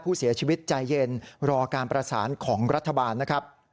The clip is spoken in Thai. ผู้เสียชีวิตใจเย็นรอการประสานของรัฐบาลนะครับ